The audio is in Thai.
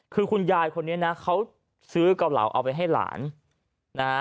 คือคุณยายคนนี้นะเขาซื้อเกาเหลาเอาไปให้หลานนะฮะ